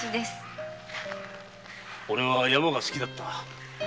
おれは山が好きだった。